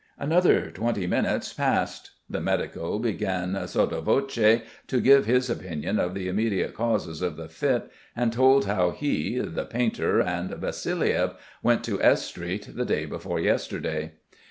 Another twenty minutes passed. The medico began sotto voce to give his opinion of the immediate causes of the fit and told how he, the painter and Vassiliev went to S v Street the day before yesterday.